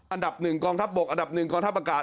อันดับ๑กองทัพบกอันดับ๑กองทัพอากาศ